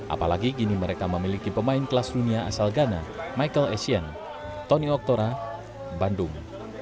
apalagi kini mereka memiliki pemain kelas dunia asal ghana michael essien tony oktora bandung